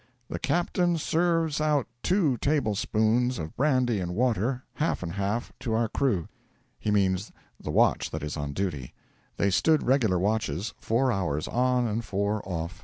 'The captain serves out two tablespoonfuls of brandy and water half and half to our crew.' He means the watch that is on duty; they stood regular watches four hours on and four off.